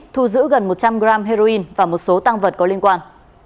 thu giữ gần một trăm linh g heroin và một số tăng vật có liên quan